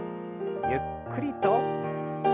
ゆっくりと。